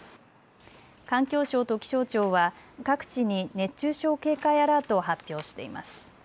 環境省と気象庁は各地に熱中症警戒アラートを発表しています。